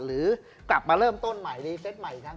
หรือกลับมาเริ่มต้นใหม่ในเซตใหม่อีกครั้ง